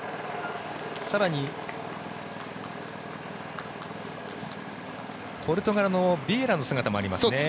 更に、ポルトガルのビエイラの姿もありますね。